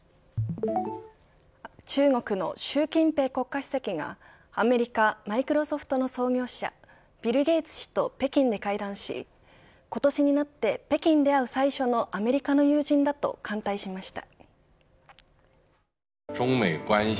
中国の習近平国家主席がアメリカマイクロソフトの創業者ビル・ゲイツ氏と北京で会談し今年になって北京で会う最初のアメリカの友人だと歓待しました。